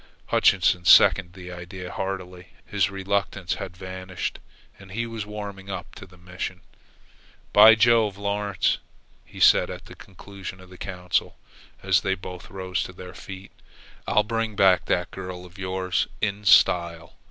Hutchinson seconded the idea heartily. His reluctance had vanished, and he was warming up to his mission. "By Jove! Lawrence," he said at the conclusion of the council, as they both rose to their feet, "I'll bring back that girl of yours in style.